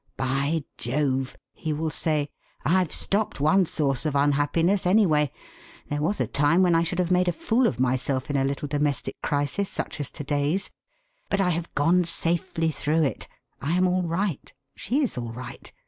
'By Jove!' he will say; 'I've stopped one source of unhappiness, anyway. There was a time when I should have made a fool of myself in a little domestic crisis such as to day's. But I have gone safely through it. I am all right. She is all right.